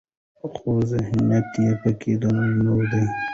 خو ذهنيت پکې د نارينه دى